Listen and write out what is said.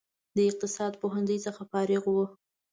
د اقتصاد پوهنځي څخه فارغ و.